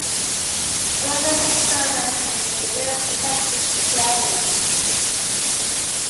Another such surface is the real projective plane.